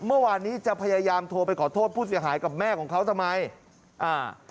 เมื่อวานนี้จะพยายามโทรไปขอโทษผู้เสียหายกับแม่ของเขาทำไมอ่า